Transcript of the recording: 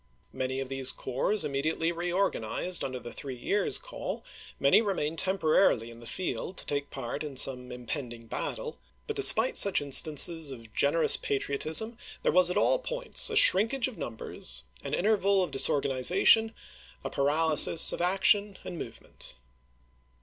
Many of these corps im mediately reorganized under the three years' call ; many remained temporarily in the field to take part in some impending battle. But despite such instances of generous patriotism, there was at all points a shrinkage of numbers, an interval of dis organization, a paralysis of action and movement.